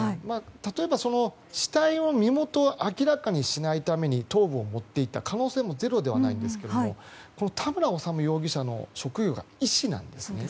例えば、死体の身元を明らかにしないために頭部を持って行った可能性もゼロではないんですが田村修容疑者の職業が医師なんですね。